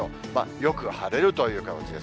よく晴れるという形です。